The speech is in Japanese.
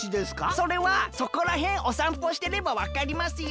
それはそこらへんおさんぽしてればわかりますよ。